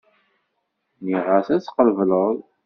Nniɣ-as ad tqebleḍ.